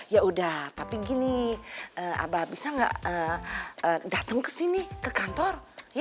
yaudah tapi gini mbah bisa gak dateng ke sini ke kantor